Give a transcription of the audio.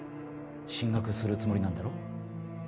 進学するつもりなんだろう？